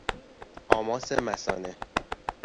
آماس مثانه